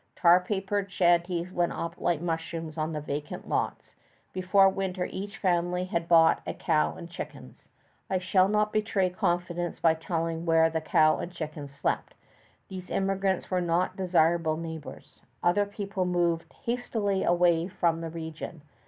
Tar papered shanties went up like mushrooms on the vacant lots. Before winter each family had bought a cow and chickens. I shall not betray confidence by telling where the cow and chickens slept. Those immigrants were not desirable neighbors. Other people moved hastily away from the region.